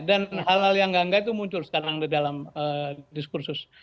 dan hal hal yang enggak enggak itu muncul sekarang di dalam diskursus